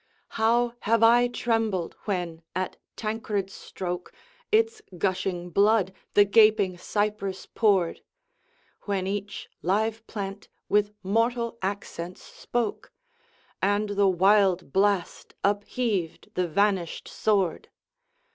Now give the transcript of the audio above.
How have I trembled, when, at Tancred's stroke, Its gushing blood the gaping cypress poured; When each live plant with mortal accents spoke, And the wild blast upheaved the vanished sword!